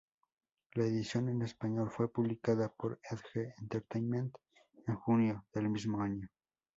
La edición en español fue publicada por Edge Entertainment en junio del mismo año.